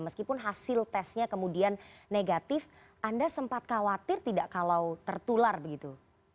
meskipun hasil tesnya kemudian negatif anda sempat khawatir tidak kalau tertular begitu